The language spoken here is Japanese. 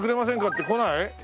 って来ない？